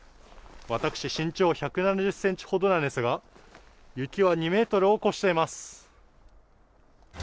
私、身長１７０ｃｍほどなのですが、雪は２ｍを超しています。